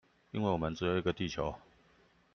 因為我們只有一個地球